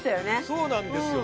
そうなんですよ